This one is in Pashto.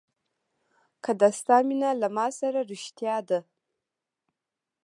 که د ستا مینه له ما سره رښتیا ده.